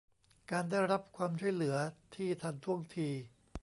การได้รับความช่วยเหลือที่ทันท่วงที